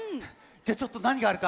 じゃちょっとなにがあるか。